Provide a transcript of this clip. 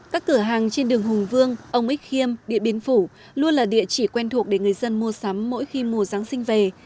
các cửa hàng trên đường hùng vương ông ích khiêm địa biến phủ luôn là địa chỉ quen thuộc để người dân mua sắm mỗi khi mùa giáng sinh về